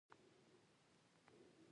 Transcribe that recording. آیا حجاب هلته اجباري نه دی؟